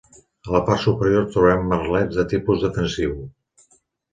A la part superior trobem merlets de tipus defensiu.